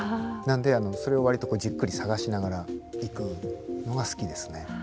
なんでそれをわりとじっくり探しながら行くのが好きですね。